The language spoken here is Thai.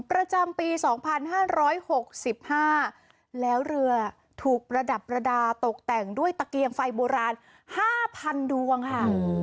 ประจำปี๒๕๖๕แล้วเรือถูกประดับประดาษตกแต่งด้วยตะเกียงไฟโบราณ๕๐๐๐ดวงค่ะ